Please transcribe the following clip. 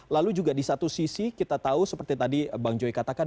lalu juga di satu sisi kita tahu seperti tadi bang joy katakan